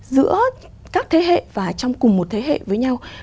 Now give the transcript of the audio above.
giữa các thế hệ và trong cùng một thế hệ với nhau